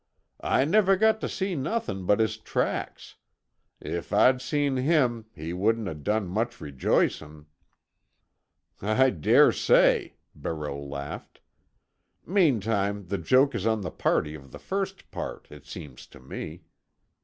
"I never got to see nothin' but his tracks. If I'd seen him he wouldn't 'a' done much rejoicin'." "I dare say," Barreau laughed. "Meantime the joke is on the party of the first part, it seems to me.